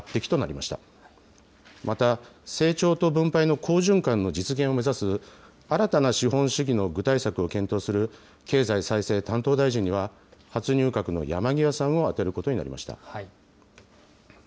また、成長と分配の好循環の実現を目指す、新たな資本主義の具体策を検討する経済再生担当大臣には、初入閣の山際さんを充てることになりました。